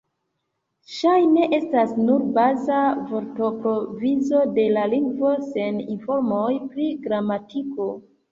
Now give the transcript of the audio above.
Ŝajne estas nur baza vortprovizo de la lingvo, sen informoj pri gramatiko.